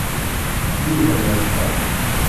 Yuba yerfa.